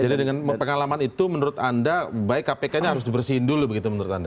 jadi dengan pengalaman itu menurut anda baik kpk nya harus dibersihin dulu begitu menurut anda